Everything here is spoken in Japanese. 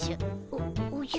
おおじゃ。